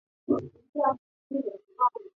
拉氏清溪蟹为溪蟹科清溪蟹属的动物。